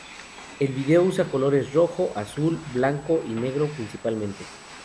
El video usa colores rojo, azul, blanco y negro principalmente.